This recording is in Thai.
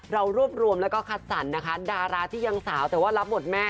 เรารวบรวมแล้วก็คัดสรรนะคะดาราที่ยังสาวแต่ว่ารับบทแม่